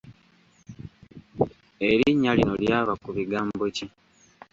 Erinnya lino lyava ku bigambo ki?